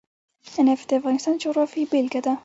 نفت د افغانستان د جغرافیې بېلګه ده.